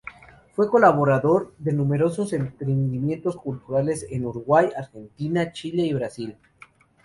Fue colaborador de numerosos emprendimientos culturales en Uruguay, Argentina, Chile y Brasil.